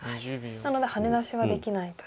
なのでハネ出しはできないという。